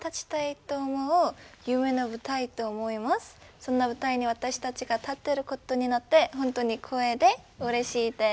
そんな舞台に私たちが立っていることになって本当に光栄でうれしいです。